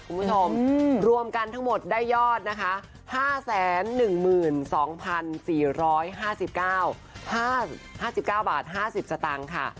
คุณผู้ชมรวมกันทั้งหมดได้ยอดนะคะ๕๑๒๔๕๙บาท๕๐สตางค์ค่ะ